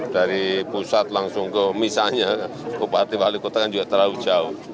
dari pusat langsung ke misalnya gubernur gubernur juga terlalu jauh